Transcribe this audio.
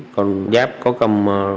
còn giáp có cầm